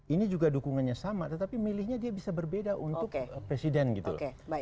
ini juga dukungannya sama tetapi milihnya dia bisa berbeda untuk presiden gitu loh